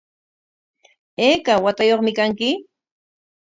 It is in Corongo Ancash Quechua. ¿Ayka watayuqmi kanki?